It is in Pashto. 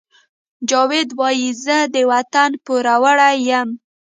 جاوید وایی زه د وطن پوروړی یم